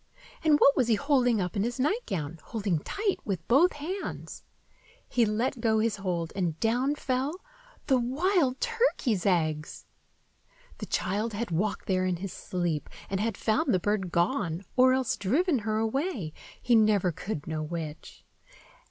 And what was he holding up in his nightgown, holding tight with both hands? He let go his hold, and down fell—the wild turkey's eggs! The child had walked there in his sleep, and had found the bird gone, or else driven her away, he never could know which.